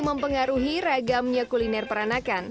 mempengaruhi ragamnya kuliner peranakan